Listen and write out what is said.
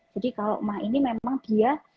jadi kalau emah ini memang dia